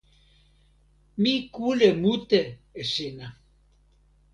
mi kule mute e sina.